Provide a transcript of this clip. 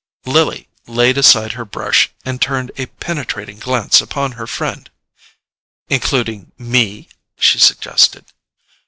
Lily laid aside her brush and turned a penetrating glance upon her friend. "Including ME?" she suggested.